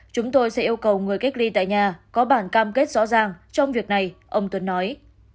chúng tôi sẽ yêu cầu người cách ly tại nhà có bản cam kết rõ ràng trong việc này ông tuấn nói